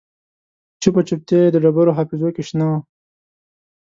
چوپه چوپتیا یې د ډبرو حافظو کې شنه شوه